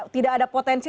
tidak ada potensi